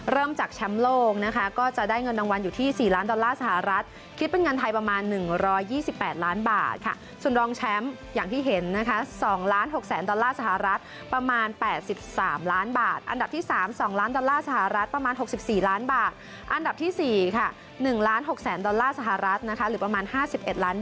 เริ่มจากแชมป์โลกนะคะก็จะได้เงินรางวัลอยู่ที่๔ล้านดอลลาร์สหรัฐคิดเป็นเงินไทยประมาณ๑๒๘ล้านบาทค่ะส่วนรองแชมป์อย่างที่เห็นนะคะ๒ล้าน๖แสนดอลลาร์สหรัฐประมาณ๘๓ล้านบาทอันดับที่๓๒ล้านดอลลาร์สหรัฐประมาณ๖๔ล้านบาทอันดับที่๔ค่ะ๑ล้าน๖แสนดอลลาร์สหรัฐนะคะหรือประมาณ๕๑ล้าน